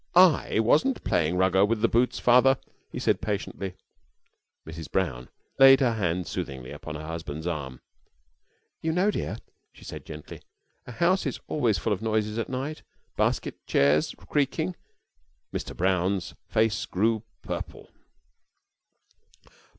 "I wasn't playin' Rugger with the boots, Father," he said, patiently. Mrs. Brown laid her hand soothingly upon her husband's arm. "You know, dear," she said, gently, "a house is always full of noises at night. Basket chairs creaking " Mr. Brown's face grew purple.